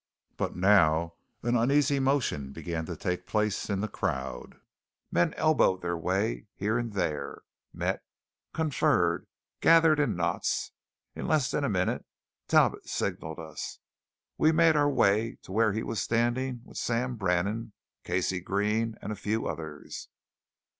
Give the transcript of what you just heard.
But now an uneasy motion began to take place in the crowd. Men elbowed their way here and there, met, conferred, gathered in knots. In less than a minute Talbot signalled us. We made our way to where he was standing with Sam Brannan, Casey, Green, and a few others.